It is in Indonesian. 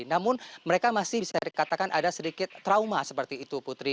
namun mereka masih bisa dikatakan ada sedikit trauma seperti itu putri